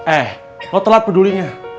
eh lo telat pedulinya